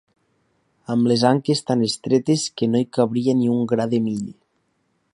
Amb les anques tan estretes que no hi cabria ni un gra de mill.